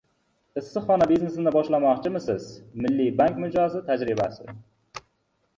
Issiqxona biznesini boshlamoqchimisiz? Milliy bank mijozi tajribasi